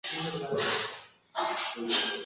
Se encuentra en Fiji, Indonesia, y Papúa Nueva Guinea.